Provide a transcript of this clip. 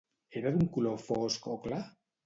Era d'un color fosc o clar?